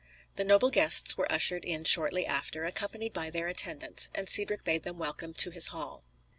The noble guests were ushered in shortly after, accompanied by their attendants, and Cedric bade them welcome to his hall.